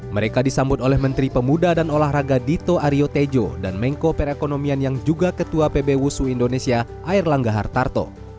mereka disambut oleh menteri pemuda dan olahraga dito aryo tejo dan mengko perekonomian yang juga ketua pb wushu indonesia air langga hartarto